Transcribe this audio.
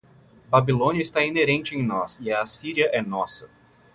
Babilônia está inerente em nós e a Assíria é nossa